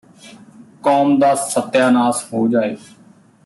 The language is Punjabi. ਕੌਮ ਦਾ ਸਤਿਆ ਨਾਸ ਹੋ ਜਾਏ